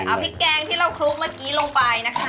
เอาพริกแกงที่เราคลุกเมื่อกี้ลงไปนะคะ